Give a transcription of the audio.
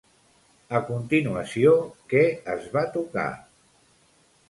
A continuació, què es va tocar?